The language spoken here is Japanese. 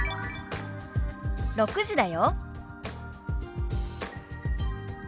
「６時だよ」。